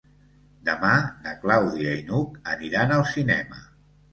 Demà na Clàudia i n'Hug aniran al cinema.